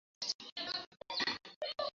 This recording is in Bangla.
গোরার মা নীচে চলিয়া গেলেন।